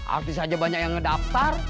artis saja banyak yang ngedaftar